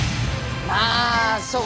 まあそうか。